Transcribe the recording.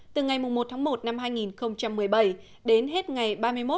từ ngày một một hai nghìn một mươi bảy đến hết ngày ba mươi một một mươi hai hai nghìn hai mươi